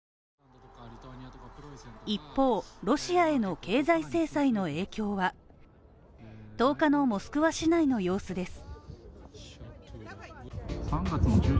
一方、ロシアへの経済制裁の影響は１０日のモスクワ市内の様子です。